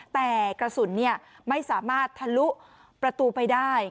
แต่กระสุนไม่สามารถทะลุประตูไปได้